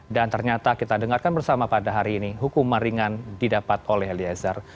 dan ternyata kita dengarkan bersama pada hari ini hukuman ringan didapat oleh eliezer